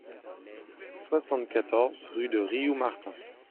soixante-quatorze rue de Rioux Martin